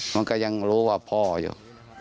มันก็ยังรู้ว่าพ่ออยู่